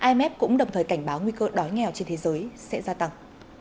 imf cũng đồng thời cảnh báo nguy cơ đói nghèo trên thế giới sẽ gia tăng